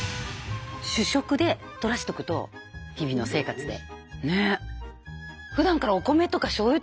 主食でとらすってこと日々の生活で。